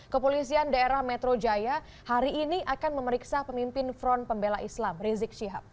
kepolisian daerah metro jaya hari ini akan memeriksa pemimpin front pembela islam rizik syihab